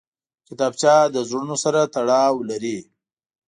کتابچه له زړونو سره تړاو لري